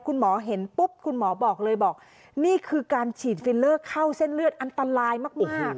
คุณหมอเห็นปุ๊บคุณหมอบอกเลยบอกนี่คือการฉีดฟิลเลอร์เข้าเส้นเลือดอันตรายมาก